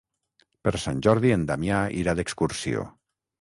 Per Sant Jordi en Damià irà d'excursió.